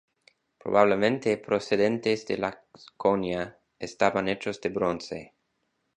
Probablemente procedentes de Laconia, estaban hechos de bronce.